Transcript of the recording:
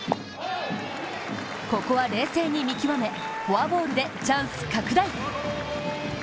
ここは冷静に見極め、フォアボールでチャンス拡大。